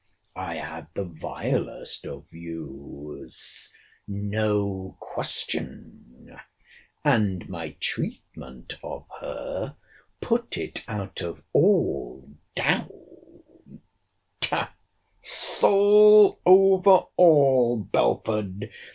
I had the vilest of views, no question. And my treatment of her put it out of all doubt. Soul over all, Belford!